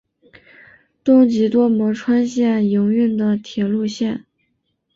东急多摩川线营运的铁路线。